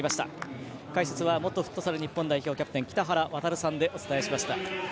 解説は元フットサル代表キャプテン北原亘さんでお伝えしました。